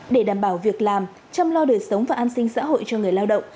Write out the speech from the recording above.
để đảm bảo việc làm chăm lo đời sống và an sinh xã hội cho người lao động